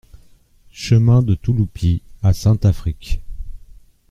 Chemin de Touloupy à Saint-Affrique